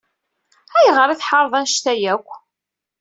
Ayɣer ay tḥareḍ anect-a akk?